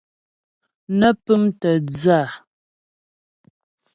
Nə́ pʉ́mtə̀ dhə́ a.